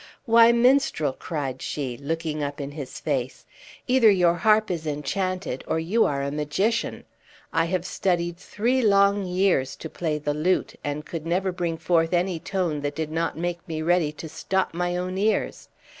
"Why, minstrel," cried she, looking up in his face, "either your harp is enchanted, or you are a magician. I have studied three long years to play the lute, and could never bring forth any tone that did not make me ready to stop my own ears.